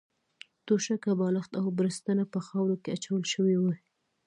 توشکه، بالښت او بړستنه په خاورو کې اچول شوې وې.